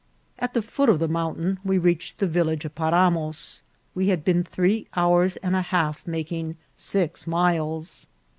At the foot of the mountain we reached the village of Paramos. We had been three hours and a half making six miles.